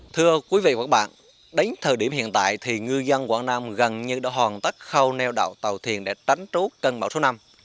thưa quý vị và các bạn đến thời điểm hiện tại thì ngư dân quảng nam gần như đã hoàn tất khâu neo đậu tàu thuyền để tránh trú cân bão số năm